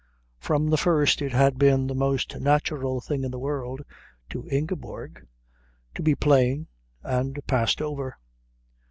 From the first it had been the most natural thing in the world to Ingeborg to be plain and passed over.